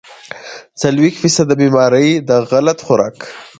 څلوېښت فيصده بيمارۍ د غلط خوراک